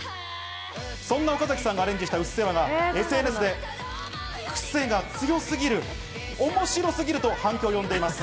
そんな岡崎さんがアレンジした『うっせぇわ』がＳＮＳでクセが強すぎる、面白すぎると反響を呼んでいるんです。